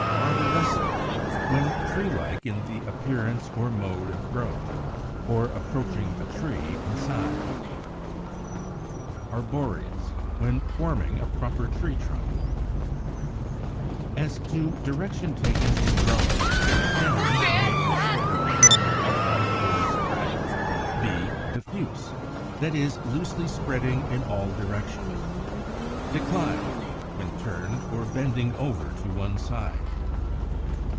Arborescent, when tree like in appearance or mode of growth, or approaching a tree in size. Arboreous, when forming a proper tree trunk. 90. As to direction taken in growing, stems may, instead of growing upright or erect, be Diffuse, that is, loosely spreading in all directions. Declined, when turned or bending over to one side.